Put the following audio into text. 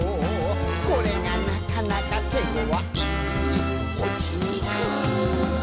「これがなかなか手ごわい」「落ちにくい」